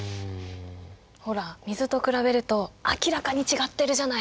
ほら水と比べると明らかに違ってるじゃない。